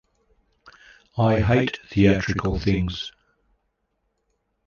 I hate theatrical things.